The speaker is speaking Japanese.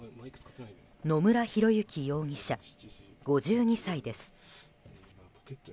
野村広之容疑者、５２歳です。